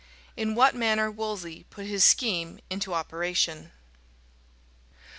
In what manner Wolsey put his Scheme into Operation.